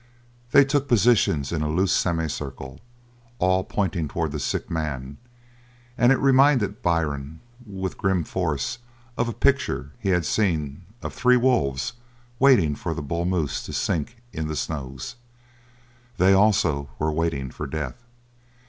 They took positions in a loose semi circle, all pointing towards the sick man, and it reminded Byrne with grim force of a picture he had seen of three wolves waiting for the bull moose to sink in the snows: they, also, were waiting for a death.